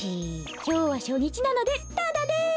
きょうはしょにちなのでタダです！